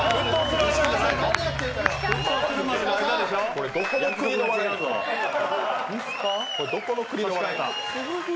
これ、どこの国の笑い？